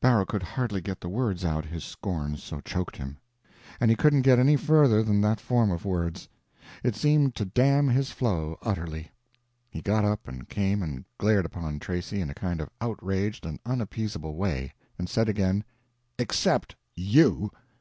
Barrow could hardly get the words out, his scorn so choked him. And he couldn't get any further than that form of words; it seemed to dam his flow, utterly. He got up and came and glared upon Tracy in a kind of outraged and unappeasable way, and said again, "Except _you!